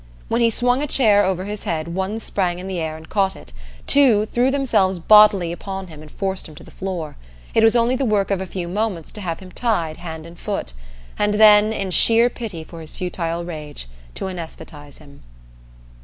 When he swung a chair over his head one sprang in the air and caught it, two threw themselves bodily upon him and forced him to the floor; it was only the work of a few moments to have him tied hand and foot, and then, in sheer pity for his futile rage, to anesthetize him.